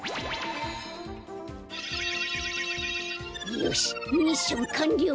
よしミッションかんりょう！